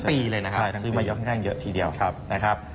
ทั้งปีเลยนะครับซื้อมาเยอะเยอะทีเดียวนะครับ